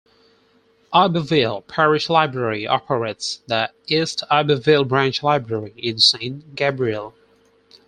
Iberville Parish Library operates the East Iberville Branch Library in Saint Gabriel.